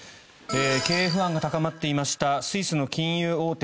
経営不安が高まっていましたスイスの金融大手